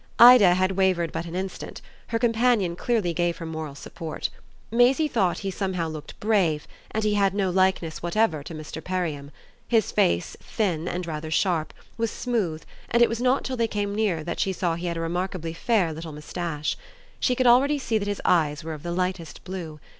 Ida had wavered but an instant; her companion clearly gave her moral support. Maisie thought he somehow looked brave, and he had no likeness whatever to Mr. Perriam. His face, thin and rather sharp, was smooth, and it was not till they came nearer that she saw he had a remarkably fair little moustache. She could already see that his eyes were of the lightest blue.